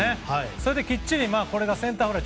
それできっちりセンターフライ。